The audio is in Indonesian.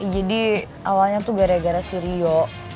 jadi awalnya tuh gara gara si rio